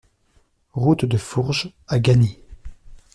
Route de Fourges à Gasny